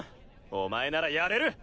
お前ならやれる！